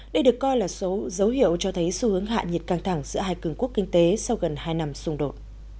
đây được coi là số dấu hiệu cho thấy xu hướng hạ nhiệt căng thẳng giữa hai cường quốc kinh tế sau gần hai năm xung đột